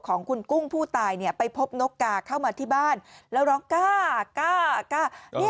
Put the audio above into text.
ของคุณกุ้งผู้ตายเนี่ยไปพบนกกาเข้ามาที่บ้านแล้วร้องกล้ากล้า